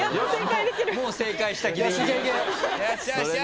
もう正解した気でいる。